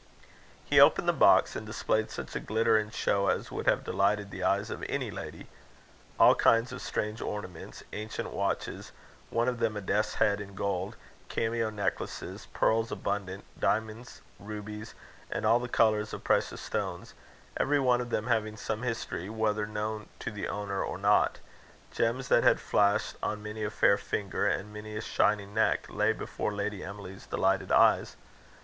He opened the box, and displayed such a glitter and show as would have delighted the eyes of any lady. All kinds of strange ornaments; ancient watches one of them a death's head in gold; cameo necklaces; pearls abundant; diamonds, rubies, and all the colours of precious stones every one of them having some history, whether known to the owner or not; gems that had flashed on many a fair finger and many a shining neck lay before Lady Emily's delighted eyes.